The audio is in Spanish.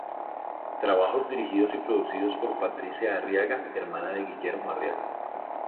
Trabajos dirigidos y producidos por Patricia Arriaga, hermana de Guillermo Arriaga.